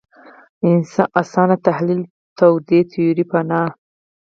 اسان تحلیل توطیې تیوري پناه